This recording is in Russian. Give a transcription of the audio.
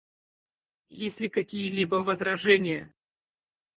Есть ли какие-либо возражения?